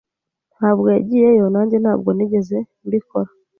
Ntabwo yagiyeyo. Nanjye ntabwo nigeze mbikora.